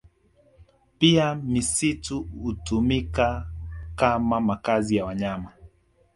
Pia misitu hutumika kama makazi ya wanyama